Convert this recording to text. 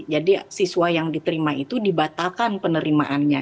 jadi siswa yang diterima itu dibatalkan penerimaannya